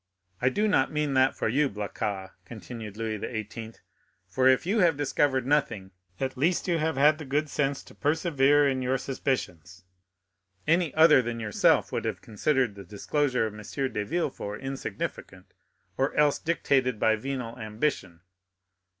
"I do not mean that for you, Blacas," continued Louis XVIII.; "for if you have discovered nothing, at least you have had the good sense to persevere in your suspicions. Any other than yourself would have considered the disclosure of M. de Villefort insignificant, or else dictated by venal ambition."